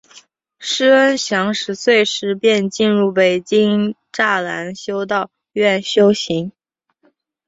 师恩祥十岁时便进入北京栅栏修道院修行。